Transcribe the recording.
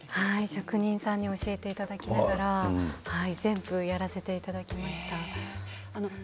職人さんに教えていただきながら全部やらせていただきました。